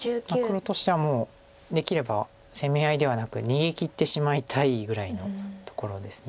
黒としてはもうできれば攻め合いではなく逃げきってしまいたいぐらいのところです。